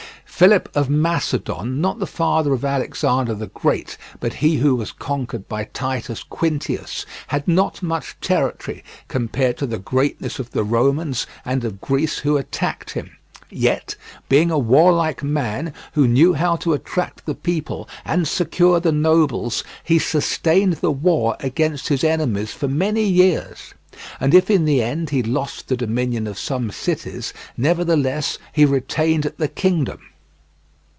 Philip of Macedon, not the father of Alexander the Great, but he who was conquered by Titus Quintius, had not much territory compared to the greatness of the Romans and of Greece who attacked him, yet being a warlike man who knew how to attract the people and secure the nobles, he sustained the war against his enemies for many years, and if in the end he lost the dominion of some cities, nevertheless he retained the kingdom.